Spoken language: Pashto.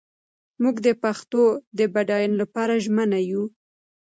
موږ د پښتو د بډاینې لپاره ژمن یو.